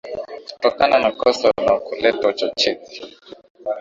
Kutokana na kosa la kuleta uchochezi